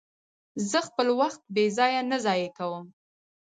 زه خپل وخت بې ځایه نه ضایع کوم.